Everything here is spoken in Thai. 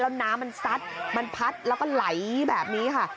แล้วน้ำมันซัดมันพัดแล้วก็ไหลแบบนี้ค่ะ